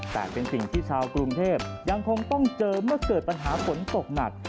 แต่เป็นสิ่งที่ชาวกรุงเทพยังคงต้องเจอเมื่อเกิดปัญหาฝนตกหนัก